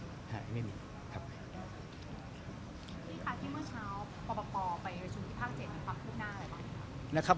คุณพี่ค่ะที่เมื่อเช้าพอไปราชุมกี่ภาคเจนทั้งครอบครึ่งหน้าอะไรบ้าง